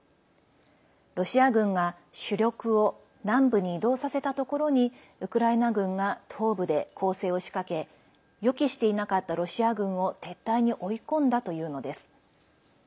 ロシア軍が主力を南部に移動させたところにウクライナ軍が東部で攻勢を仕掛け予期していなかったロシア軍を撤退に追い込んだというのです。